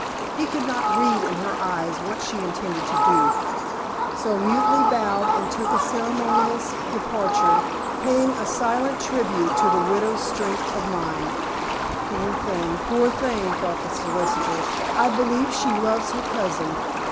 He could not read in her eyes what she intended to do, so mutely bowed and took a ceremonious departure, paying a silent tribute to the widow's strength of mind. "Poor thing; poor thing," thought the solicitor, "I believe she loves her cousin.